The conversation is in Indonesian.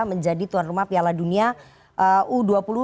menjadi tuan rumah piala dunia u dua puluh dua ribu dua puluh tiga